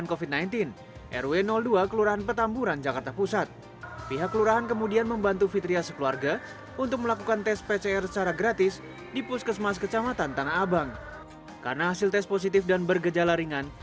karena hasil tes positif dan bergejala ringan